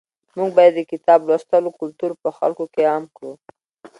موږ باید د کتاب لوستلو کلتور په خلکو کې عام کړو.